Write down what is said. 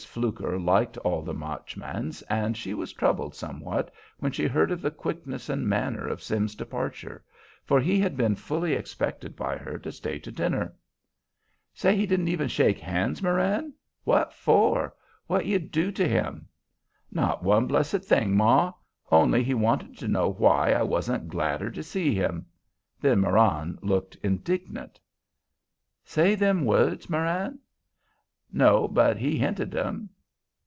Fluker liked all the Marchmans, and she was troubled somewhat when she heard of the quickness and manner of Sim's departure; for he had been fully expected by her to stay to dinner. "Say he didn't even shake hands, Marann? What for? What you do to him?" "Not one blessed thing, ma; only he wanted to know why I wasn't gladder to see him." Then Marann looked indignant. "Say them words, Marann?" "No, but he hinted 'em."